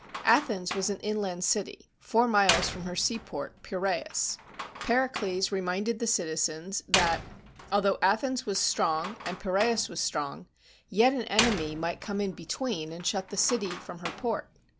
Athens was an inland city, four miles from her seaport, Pirasus. Pericles reminded the citizens 123 GREECE that, although Athens was strong and Piraeus was strong, yet an enemy might come in between and shut the city from her port.